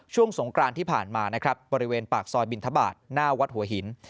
สงกรานที่ผ่านมานะครับบริเวณปากซอยบินทบาทหน้าวัดหัวหิน